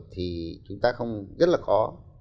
thì chúng ta không rất là khó